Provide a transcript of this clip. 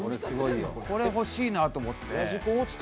これ、欲しいなと思って。